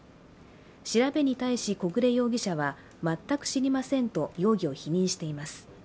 調べに対し小暮容疑者は、全く知りませんと容疑を否認しています。